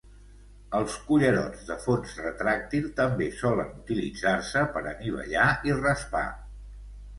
Els cullerots de fons retràctil també solen utilitzar-se per anivellar i raspar.